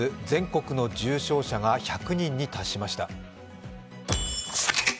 全国の重症者が１００人に達しました。